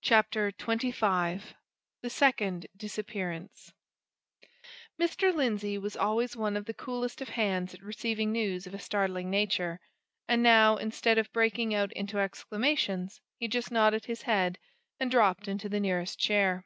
CHAPTER XXV THE SECOND DISAPPEARANCE Mr. Lindsey was always one of the coolest of hands at receiving news of a startling nature, and now, instead of breaking out into exclamations, he just nodded his head, and dropped into the nearest chair.